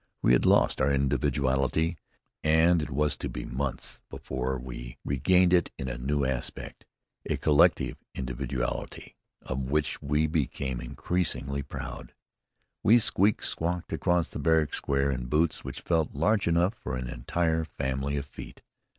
We had lost our individuality, and it was to be months before we regained it in a new aspect, a collective individuality of which we became increasingly proud. We squeak squawked across the barrack square in boots which felt large enough for an entire family of feet.